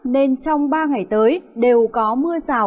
nên trong ba ngày tới đều có mưa rào